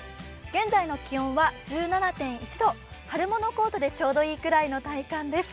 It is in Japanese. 現在の気温は１７．１度、春物コートでちょうどいいくらいの体感です。